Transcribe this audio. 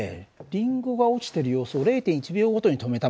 リンゴが落ちてる様子を０．１秒ごとに止めたもんだよ。